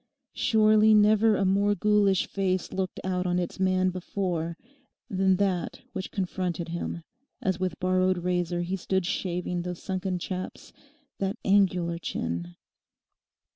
Surely never a more ghoulish face looked out on its man before than that which confronted him as with borrowed razor he stood shaving those sunken chaps, that angular chin.